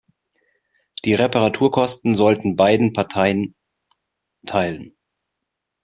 Die Reparaturkosten sollten beiden Parteien teilen.